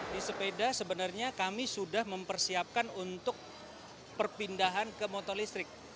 di sepeda sebenarnya kami sudah mempersiapkan untuk perpindahan ke motor listrik